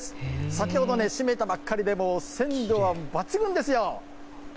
先ほどね、締めたばかりで鮮度は抜群ですよ。